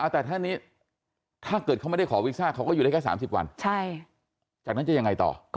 แต่ท่านนี้ถ้าเกิดเขาไม่ได้ขอวีซ่าเขาก็อยู่ได้แค่๓๐วัน